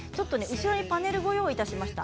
後ろにパネルを用意しました。